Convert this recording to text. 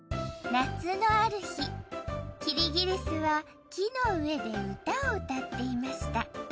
夏のある日キリギリスは木の上で歌を歌っていました。